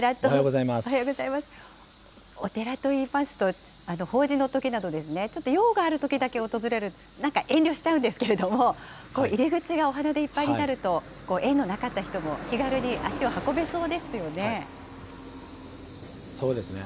お寺といいますと、法事のときなどですね、ちょっと用があるときだけ訪れる、なんか遠慮しちゃうんですけれども、入り口がお花でいっぱいになると、縁のなかった人も気軽に足を運べそうですよね。